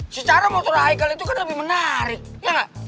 secara motor high call itu kan lebih menarik ya enggak